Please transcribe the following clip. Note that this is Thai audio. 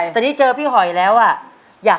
แต่นี่เจอพี่หอยแล้วน้า